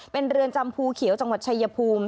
เป็นเรือนจำภูเขียวจังหวัดชายภูมิ